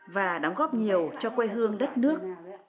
và đóng góp nhiều cho quê hương đất nước